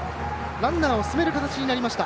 ランナーを進める形になりました。